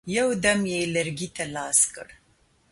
یو دم یې لرګي ته لاس کړ.